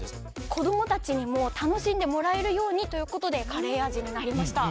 子供たちにも楽しんでもらえるようにということでカレー味になりました。